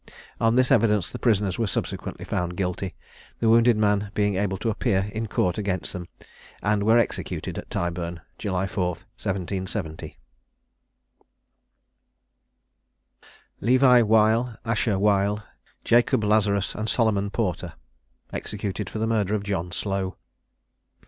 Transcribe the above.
On this evidence the prisoners were subsequently found guilty, the wounded man being able to appear in court against them, and were executed at Tyburn, July 4, 1770. LEVI WEIL, ASHER WEIL, JACOB LAZARUS, AND SOLOMON PORTER. EXECUTED FOR THE MURDER OF JOHN SLOW.